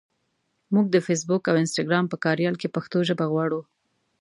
مونږ د فېسبوک او انسټګرام په کاریال کې پښتو ژبه غواړو.